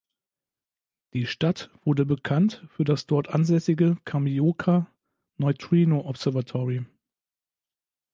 Die Stadt wurde bekannt für das dort ansässige Kamioka Neutrino Observatory.